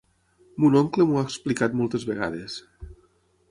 Mon oncle m'ho ha explicat moltes vegades.